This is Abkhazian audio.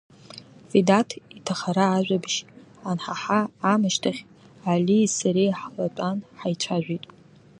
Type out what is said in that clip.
Ведаҭ иҭахара ажәабжь анҳаҳа аамышьҭахь, Алии сареи ҳлатәан ҳаицәажәеит.